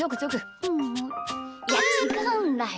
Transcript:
うん。いやちがうんだよ！